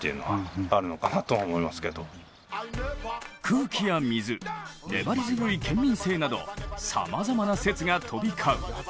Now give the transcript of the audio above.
空気や水、粘り強い県民性などさまざまな説が飛び交う。